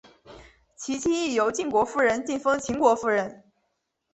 其妻亦由晋国夫人进封秦国夫人。